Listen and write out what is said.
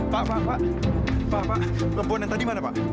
pak perempuan yang tadi dimana